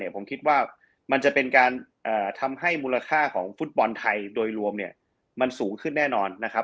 ผมคิดว่ามันจะเป็นการทำให้มูลค่าของฟุตบอลไทยโดยรวมเนี่ยมันสูงขึ้นแน่นอนนะครับ